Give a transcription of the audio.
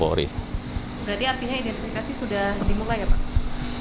berarti artinya identifikasi sudah dimulai ya pak